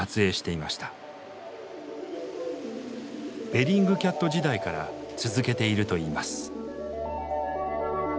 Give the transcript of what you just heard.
ベリングキャット時代から続けているといいます。